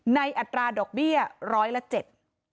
อัตราดอกเบี้ยร้อยละเจ็ด